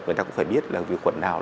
người ta cũng phải biết là vi khuẩn nào